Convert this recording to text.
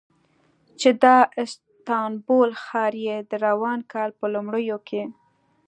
چې د استانبول ښار یې د روان کال په لومړیو کې